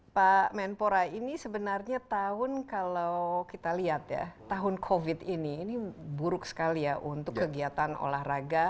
pak menpora ini sebenarnya tahun kalau kita lihat ya tahun covid ini ini buruk sekali ya untuk kegiatan olahraga